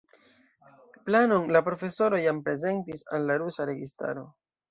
Planon la profesoro jam prezentis al la rusa registaro.